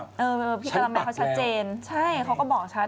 เออพี่กะละแม่เขาชัดเจนใช่เขาก็บอกชัด